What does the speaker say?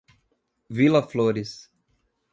Vila Flores